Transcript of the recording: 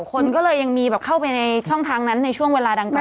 คนก็เลยยังมีแบบเข้าไปในช่องทางนั้นในช่วงเวลาดังกล่า